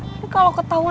mereka selesai ke kota luna